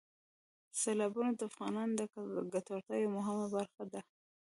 سیلابونه د افغانانو د ګټورتیا یوه مهمه برخه ده.